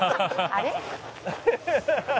「あれ？」